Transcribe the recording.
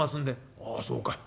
「ああそうかい。